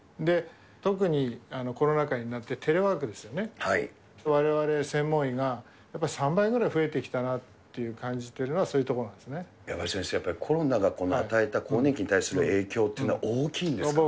特にコロナ禍になって、テレワークですよね、われわれ専門医がやっぱり３倍ぐらい増えてきたなって感じてるのやっぱり先生、コロナが与えた更年期に対する影響というのは大きいんですね。